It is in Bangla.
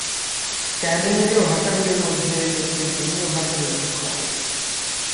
স্ক্যান্ডিনেভীয় ভাষাগুলির মধ্যে প্রথমে ডেনীয় ভাষার উদ্ভব ঘটে।